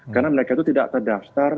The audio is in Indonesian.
karena mereka itu tidak terdaftar